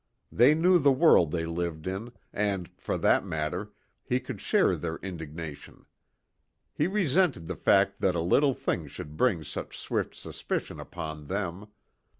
They knew the world they lived in, and, for that matter, he could share their indignation. He resented the fact that a little thing should bring such swift suspicion upon them.